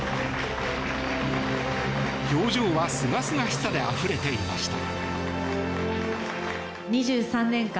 表情は、すがすがしさであふれていました。